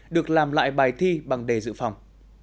được làm lại bài thi bằng đề dự phòng